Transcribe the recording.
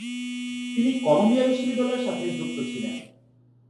তিনি কলম্বিয়া বিশ্ববিদ্যালয়ের সাথে যুক্ত ছিলেন।